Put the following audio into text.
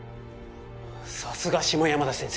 さすが下山田先生